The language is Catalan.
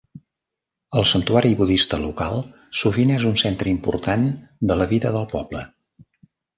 El santuari budista local sovint és un centre important de la vida del poble.